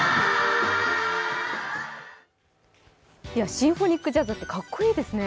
シンフォニックジャズってかっこいいですね。